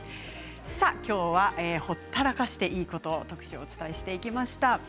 きょうは、ほったらかしていいことを特集でお伝えしていきました。